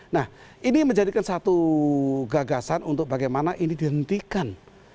nah ini menjadikan satu gagasan untuk bagaimana ini dihentikan